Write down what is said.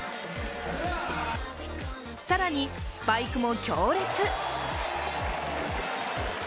更にスパイクも強烈。